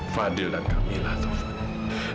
fadil dan kamilah tuhan